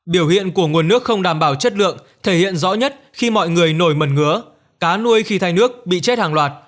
biểu hiện của nguồn nước không đảm bảo chất lượng thể hiện rõ nhất khi mọi người nổi mẩn ngứa cá nuôi khi thay nước bị chết hàng loạt